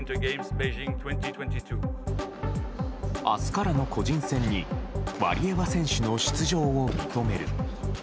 明日からの個人戦にワリエワ選手の出場を認める。